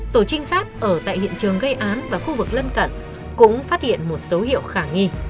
tổ trinh sát ở tại hiện trường gây án và khu vực lân cận cũng phát hiện một số hiệu khả nghi